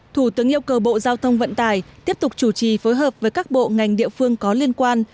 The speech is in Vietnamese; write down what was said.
thủ tướng yêu cầu bộ giao thông vận tải tiếp tục chủ trì phối hợp với các bộ ngành địa phương có liên quan